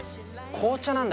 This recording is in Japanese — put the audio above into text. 紅茶なんだ！